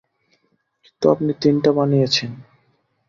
কিন্তু আপনি তিনটা বানিয়েছেন।